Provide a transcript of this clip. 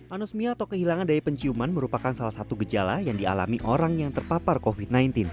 anosmia atau kehilangan daya penciuman merupakan salah satu gejala yang dialami orang yang terpapar covid sembilan belas